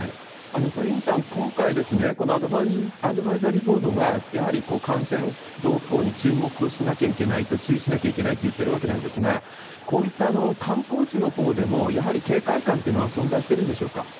鳥海さん、今回、このアドバイザリーボードが、やはり感染動向に注目をしなきゃいけないと、注意しなきゃいけないと言ってるわけなんですが、こういった観光地のほうでも、やはり警戒感というのは存在してるんでしょうか？